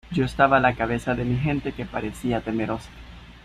yo estaba a la cabeza de mi gente, que parecía temerosa